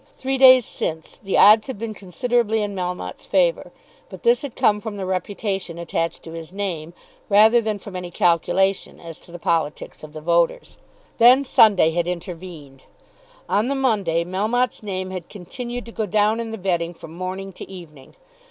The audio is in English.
Three days since the odds had been considerably in Melmotte's favour; but this had come from the reputation attached to his name, rather than from any calculation as to the politics of the voters. Then Sunday had intervened. On the Monday Melmotte's name had continued to go down in the betting from morning to evening.